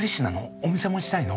お店持ちたいの？